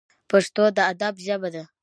پښتو د ادب ژبه ده